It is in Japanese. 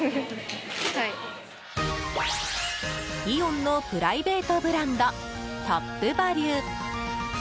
イオンのプライベートブランドトップバリュ。